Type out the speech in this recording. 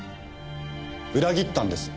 裏切ったんです。